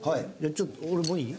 ちょっと俺もいい？